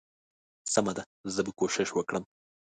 سمه ده زه به کوشش وکړم.